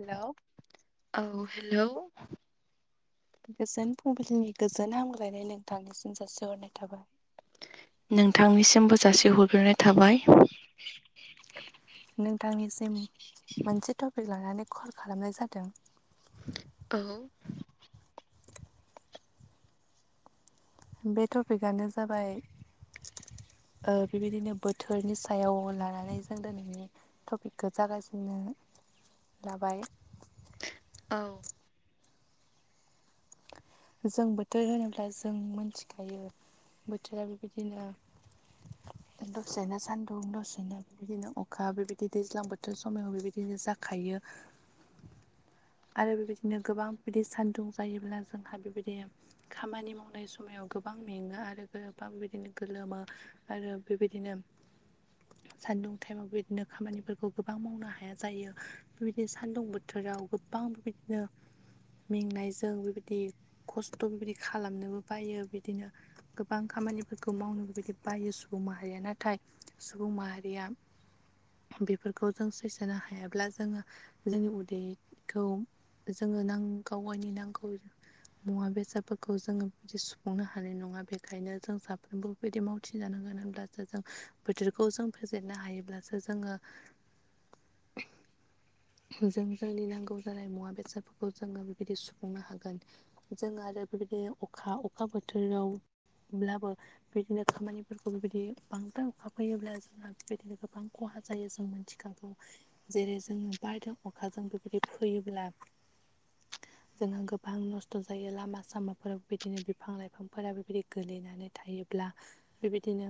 हेल'। औ हेल'। गोजोन फुंबिलिनि गोजोन हामग्लायनाय नोंथांनिसिम जासिहरनाय थाबाय। नोंथांनिसिमबो जासिहरग्रोनाय थाबाय। [inaudible] नोंथांनिसिम मोनसे टपिक लानानै कल खालामनाय जादों। औ। बे टपिकआनो जाबाय ओ बेबायदिनो बोथोरनि सायाव लानानै जों दिनैनि टपिकखौ जागायजेननो लाबाय औ। जों बोथोर होनोब्ला जों मोनथिखायो बोथोरा बेबायदिनो [inaudible] दसेनो सान्दुं दसेनो बेबायदिनो अखा बेबायदि दैज्लां बोथोर समायाव बेबायदिनो जाखायो। आरो बेबायदिनो गोबां बिदि सान्दुं जायोब्ला जोंहा बेबायदिनो खामानि मावनाय समाव गोबां मेङो आरो गोबां बिदिनो गोलोमो आरो बेबायदिनो सान्दुं टाइमाव बेबायदिनो खामानिफोरखौ गोबां मावनो हाया जायो बेबायदिनो सान्दुं बोथोराव गोबां बेबायदि बिदिनो मेंनायजों बेबायदि बि खस्थ' बेबायदि खालामनोबो बायो बिदिनो गोबां खामानिफोरखौ मावनो बेबायदि बायो सुबुं माहारिया नाथाय सुबुं माहारिया बेफोरखौ जों सैजो हायाब्ला जोङो जोंनि उदैखौ जोङो नां गावगायनि नांगौ मुवा बेसादफोरखौ जोङो बिदि सुफुंनो हानाय नङा बेखायनो जों साफ्रोमबो बिबायदि मावथि जानांगोन होनब्लासो जों बोथोरखौ जों फेजेननो हायोब्लासो जोङो [inaudible] जों जोंनि नांगौ जानाय मुवा बेसादफोरखौ जोङो बेबायदि सुफुंनो हागोन। जों आरो बेबायदिनो अखा अखा बोथोरावब्लाबो बिदिनो खामानिफोरखौ बेबायदि बांद्राय अखा फैयोब्ला जोंहा बेबायदिनो गोबां खहा जायो जों थिखाखौ जेरै जोंङो बारदों अखाजों बेबायदि फोयोब्ला जोंहा गो बां नस्थ' जायो लामा सामाफोराव बिदिनो बिफां लाइफांफोरा बेबायदि गोलैनानै थायोब्ला बेबायदिनो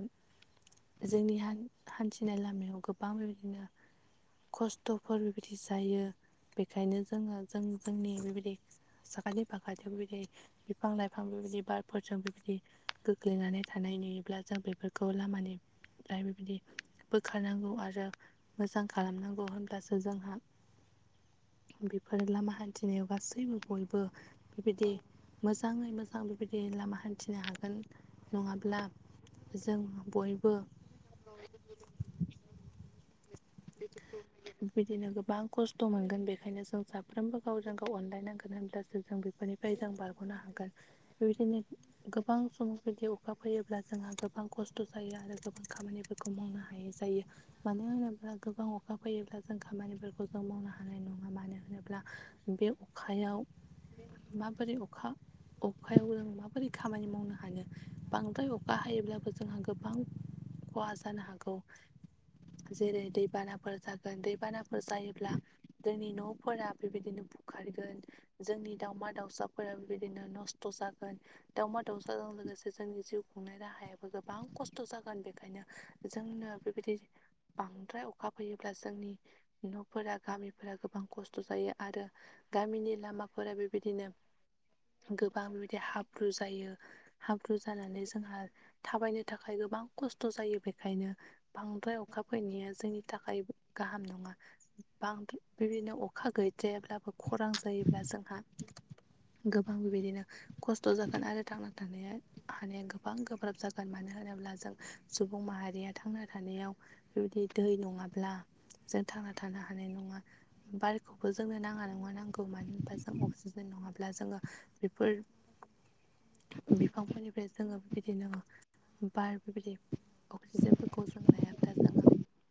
जोंनि हान हान्थिनाय लामायाव गोबां बेबायदिनो खस्थ'फोर बिदि जायो बेखायनो जोङो जों जोंनि बेबायदि साखाथि फाखाथि [unintelligible] बिफां लाइफां बेबिदि बारफोरजों बेबिदि गोग्लैनानै थानाय नुयोब्ला जों बेफोरखौ लामानिफ्राय बेबिदि बोखारनांगौ आरो मोजां खालामनांगौ होनब्लासो जोंहा बेफोर लामा हान्थिनायाव गासैबो बयबो बेबायदि मोजाङै मोजां बेबायदि लामा हान्थिनो हागोन। नङाब्ला जों बयबो [unintelligible] बेबिदिनो गोबां खस्थ' मोनगोन बेखायनो जों साफ्रोमबो गावजों गाव अनलायनांगोन होनब्लासो जों बे फोरनिफ्राय जों बारग'नो हागोन बेबिदिनो गोबां समफोरदि अखा फैयोब्ला जोंहा गोबां खस्थ' जायो आरो गोबां खामानिफोर खौ मावनो हायै जायो मानो होनोब्ला गोबां अखा फैयोब्ला जों खामानिफोरखौ जों मावनो हानाय नङा मानो होनोब्ला बे अखायाव माबोरै अखा अखायाव जों माबोरै खामानि मावनो हानो बांद्राय अखा हायोब्लाबो जोंहा गोबां खहा जानो हागौ जेरै दैबानाफोर जागोन दैबानाफोर जायोब्ला जोंनि न'फोरा बेबायदिनो बुखारगोन जोंनि दावमा दाउसाफोरा बेबायदिनो नस्थ' जागोन। दावमा दाउसाजों लोगोसे जोंनि जिउ खुंनाय राहायाबो गोबां खस्थ' जागोन बेखायनो जोंनो बेबिदि बांद्राय अखा फैयोब्ला जोंनि न'फोरा गामिफोरा गोबां खस्थ' जायो आरो गामिनि लामाफोरा बेबायदिनो गोबां बेबायदि हाब्रु जायो। हाब्रु जानानै जोंहा थाबायनो थाखाय गोबां खस्थ' जायो बेखायनो बांद्राय अखा फैनाया जोंनि थाखाय गाहाम नङा। बां [unintelligible] बेबिदिनो अखा गैद्रायाब्लाबो खरां जायोब्ला जोंहा गोबां बेबायदिनो खस्थ' जागोन आरो थांना थानाया हानाया गोबां गोब्राब जागोन मानो होनोब्ला जों सुबुं माहारिया थांना थानायाव बेबायदि दै नङाब्ला जों थांना थानो हानाय नङा। बारखौबो जोंनो नाङा नङा नांगौ मानो होनबा जों अक्सिजेन नङाब्ला जोङो बेफोर बिफांफोरनिफ्राय जोङो बिदिनो बार बेबायदि अक्सिजेनफोरखौ जों लायाब्ला जोङो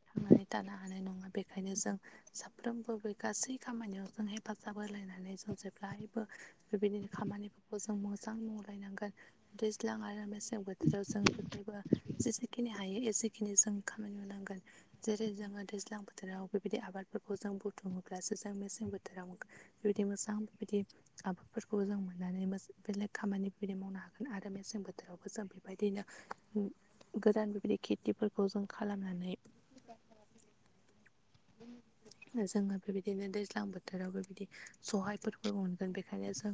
थांनानै थानो हानाय नङा बेखायनो जों साफ्रोमबो बे गासै खामानियाव जों हेफाजाब होलायनानै जों जेब्लायबो बेबायदिनो खामानिफोरखौ जों मोजां मावलायनांगोन दैज्लां आरो मेसें बोथोराव जों जेब्लायबो जेसेखिनि हायो एसेखिनि जों खामानि मावनांगोन जेरै जोङो दैज्लां बोथोराव बेबायदि आबादफोरखौ जों बुथुमोब्लासो जों मेसें बोथोराव बेबिदि मोजां बेबिदि आबादफोरखौ जों मोननानै मो बेलेग खामानि बेबिदि मावनो हागोन आरो मेसें बोथोरावबो जों बेबायदिनो गोदान बेबायदि खेथिफोरखौ जों खालामनानै [inaudible] [inaudible] जोङो बेबायदिनो दैज्लां बोथोरावबो बिदि सहायफोरखौ मोनगोन बेखायनो जों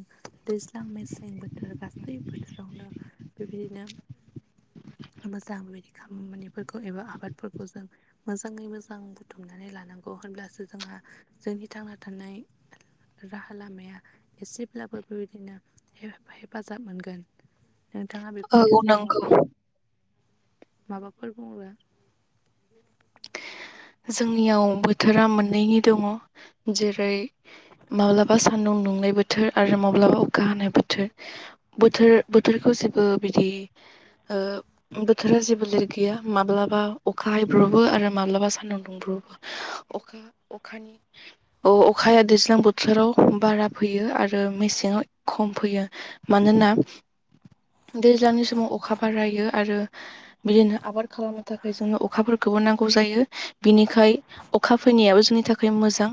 दैज्ल ल्जां मेसें बोथोर गासै बोथोरावनो बेबायदिनो मोजां बायदि खामानिफोरखौ एबा आबादफोरखौ जों मोजाङै मोजां बुथुमनानै लानांगौ होनब्लासो जोंहा जोंनि थांना थानाय राहा लामाया एसेब्लाबो बेबायदिनो हे-हेफाजाब मोनगोन नोंथाङा बेफोरनि औ सायाव नंगौ माबाफोर बुङोबा जोंनियाव बोथोरा मोननैनि दङ जेरै माब्लाबा सान्दुं दुंनाय बोथोर आरो माब्लाबा अखा हानाय बोथोर बोथोर बोथोरखौ जेबो बिदि ओ बोथोरा जेबो [unintelligible] गैया माब्लाबा अखा हायब्रबो आरो माब्लाबा सान्दुं दुंब्रबो अखा अखा [inaudible] अ अखाया दैज्लां बोथोराव बारा फैयो आरो मेसेङाव खम फैयो मानोना दैज्लांनि समाव अखा बारायो आरो बिदिनो आबाद खालामनो थाखाय जोंनो अखाफोरखौबो नांगौ जायो‌ बिनिखाय अखा फैनायाबो जोंनि थाखाय मोजां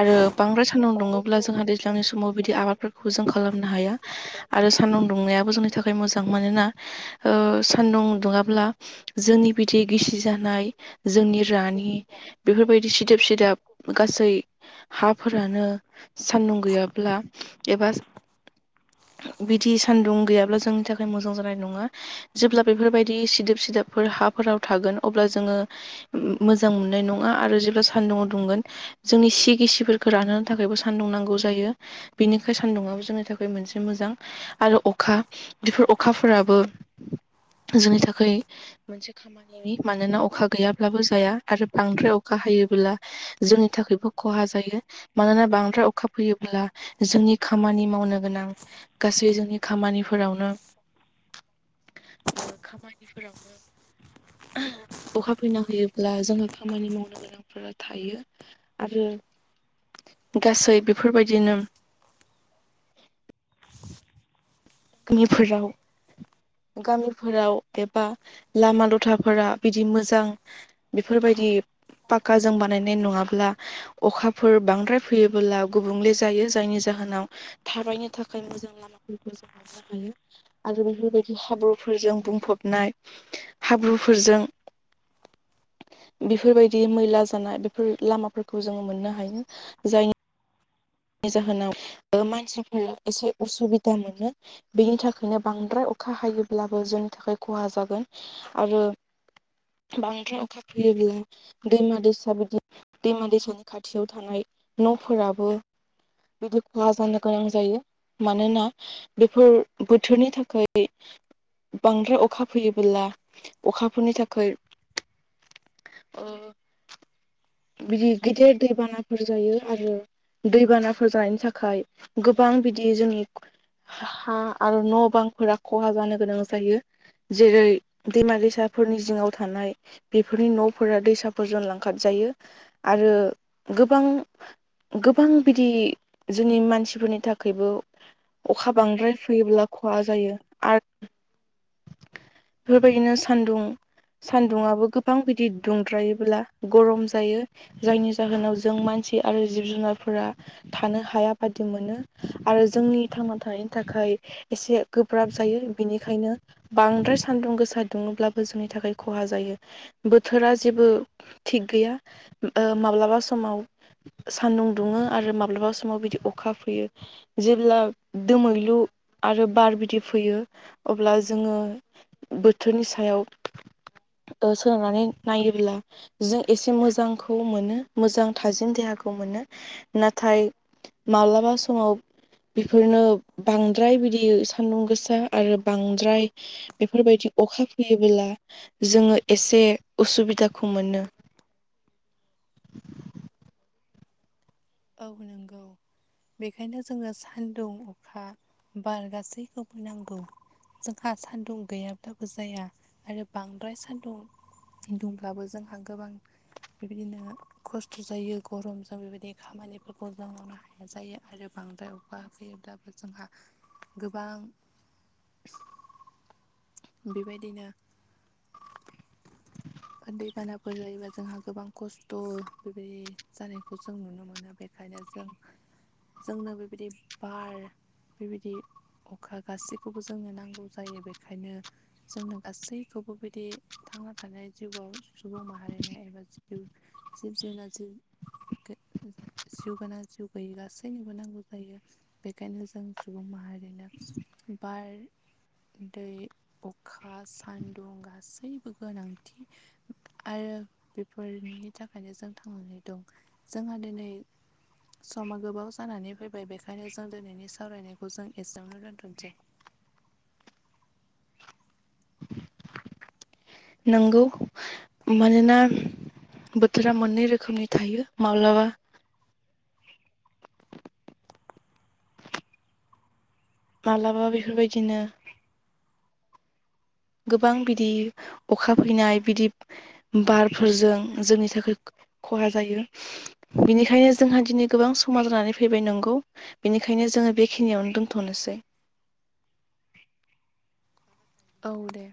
आरो बांद्राय सानदुं दङब्ला जोंहा दैज्लांनि समाव बिदि आबादफोरखौ जों खालामनो हाया। आरो सान्दुं दुंनायाबो जोंनि थाखाय मोजां मानोना ओ सान्दुं दुङाब्ला जोंनि बिदि गिसि जानाय जोंनि रानि बेफोरबायदि सिदोब सिदाब गासै हाफोरानो सान्दुं गैयाब्ला एबा बिदि सान्दुं गैयाब्ला जोंनि थाखाय मोजां जानाय नङा जेब्ला बेफोरबायदि सिदोब सिदोबफोर हाफोराव थागोन अब्ला जोङो मोजां मोननाय नङा आरो जेब्ला सान्दुुंआव दुंगोन जोंनि सि गिसिफोरखौ रानहोनो थाखायबो सान्दुं नांगौ जायो बिनिखाय सान्दुंङा जोंनि थाखाय मोनसे मोजां आरो अखा बेफोर अखाफोराबो जोंनि थाखाय मोनसे मोनसे खामानिनि मानोना अखा गैयाब्लाबो जाया आरो बांद्राय अखा हायोबोब्ला जोंनि थाखायबो खहा जायो मानोना बांद्राय अखा फैयोब्ला जोंनि खामानि मावनो गोनां गासै जोंनि खामानिफोरावनो [inaudible] खामानिफोरावनो अखा फैना होयोब्ला जोंहा खामानि मावनो गोनांफोरा थायो आरो गासै बेफोरबायदिनो [unintelligible] गामिफोराव एबा लामा लथाफोरा बिदि मोजां बेफोरबायदि पाक्काजों बानायनाय नङाब्ला अखाफोर बांद्राय फैयोबोला गुबुंले जायो जायनि जाहोनाव थाबायनो थाखाय मोजां लामाफोरखौ जों मोननो हायो आरो बेफोरबायदि हाब्रुफोरजों बुंफबनाय हाब्रुफोरजों बेफोरबायदि मैला जानाय बेफोर लामाफोरखौ जोङो मोननो हायो जायनि नि जाहोनाव मानसिफोरा एसे उसुबिदा मोनो बेनि थाखायनो बांद्राय अखा हायोब्लाबो जोंनि थाखाय खहा जागोन आरो बांद्राय अखा फैयोब्ला दैमा दैसा बिदि दैमा दैसानि खाथियाव थानाय न'फोराबो बिदि खहा जानो गोनां जायो मानोना बेफोर बोथोरनि थाखाय बांद्राय अखा फैयोबोला अखाफोरनि थाखाय ओ बिदि गदि दपाना फोर जायो आरो दैबानाफोर जानायनि थाखाय गोबां बिदि जोंनि हा आरो न बांफोरा खहा जानो गोनां जायो जेरै दैमा दैसाफोरनि जिङाव थानाय बेफोरनि नफोरा दैसा फोरजों लांखारजायो आरो गोबां गोबां बिदि जोंनि मानसिफोरनि थाखोयबो अखा बांद्राय फैयोब्ला खहा जायो आरो बेफोरबायदिनो सान्दुं सान्दुुंआबो गोबां बिदि दुंद्रायोबोला गरम जायो जायनि जाहोनाव जों मानसि आरो जिब जुनारफोरा थानो हाया बादि मोनो आरो जोंनि थांना थानायनि थाखाय एसे गोब्राब जायो बिनिखायनो बांद्राय सान्दुं गोसा दुङोब्लाबो जोंनि थाखाय खहा जायो बोथोरा जेबो थिग गैया ओ माब्लाबा समाव सान्दुं दुङो आरो माब्लाबा समाव बिदि अखा फैयो जेब्ला दोमैलु आरो बार बिदि फैयो अब्ला जोङो बोथोरनि सायाव ओ सोलोंनानै नायोब्ला जों एसे मोजां जांखौ मोनो मोजां थाजिम देहाखौ मोनो नाथाय माला बा समाव बेफोरनो बांद्राय बिदि सान्दुं गोसा आरो बांद्राय बेफोरबायदि अखा फैयोबोला जोङो एसे उसुबिदाखौ मोनो [inaudible] औ नोंगौ बेखायनो जोङो सानदुं अखा बार गासैखौबो नांगौ जोंहा सान्दुं गैयाब्लाबो जाया आरो बांद्राय सान्दुं दुंब्लाबो जोंहा गोबां बेबायदिनो खस्थ जायो गरमजों बेबायदि खामानिफोरखौ जों मावनो हाया जायो आरो बांद्राय अखा फैयोब्लाबो जोंहा गोबां बेबायदिनो दैबानाफोर जायोबा जोंहा गोबां खस्थ बेबायदि जानायखौ जों नुनो मोनो बे ओंखायनो जों जोंनो बेबायदि बार बेबायदि अखा गासैखौबो जोंनो नांगौ जायो बेखायनो जोंनो गासैखौबो बिदि थांना थानाय जिउआव सुबुं माहारिनि एबा जिव जिब जुनार जि गो जिउ गोनां जिउ गैयि गासैनोबो नांगौ जायो बेखायनो जों सुबुं माहारिनो बार दै अखा सान्दुं गासैबो गोनांथि आरो बेफोरनि थाखायनो जों थांनानै दं जोंहा दिनै समा गोबाव जानानै फैबाय बेखायनो जों दोनैनि सावरायनायखौ जों एसेयावनो दोन्थनिसै नंगौ मानोना बोथोरा मोननै रोखोमनि थायो माब्लाबा माब्लाबा बेफोरबायदिनो गोबां बिदि अखा फैनाय बिदि बारफोरजों जोंनि थाखाय खो खहा जायो बेनिखायनो जोंहा दिनै गोबां समा जानानै फैबाय नोंगौ बेनिखायनो जोङो बेखिनियावनो दोनथनोसै औ दे